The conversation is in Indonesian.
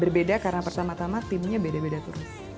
berbeda karena pertama tama timnya beda beda terus